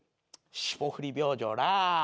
「霜降り明星なあ